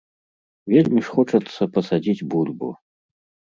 Вельмі ж хочацца пасадзіць бульбу.